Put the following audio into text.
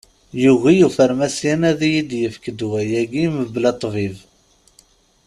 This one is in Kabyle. Yugi ufarmasyan ad yi-d-yefk ddwa-agi mebla ṭṭbib.